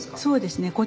そうですね。